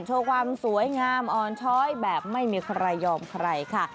โชว์ความสวยงามอ่อนช้อยแบบไม่มีใครยอมใครค่ะ